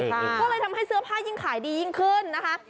ก็เลยทำให้เสื้อผ้ายิ่งขายดียิ่งขึ้นนะคะ